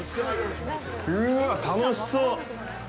うわあ、楽しそう！